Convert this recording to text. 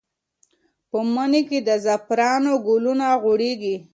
په مني کې د زعفرانو ګلونه غوړېږي.